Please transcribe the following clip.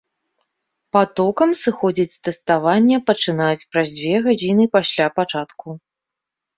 Патокам сыходзіць з тэставання пачынаюць праз дзве гадзіны пасля пачатку.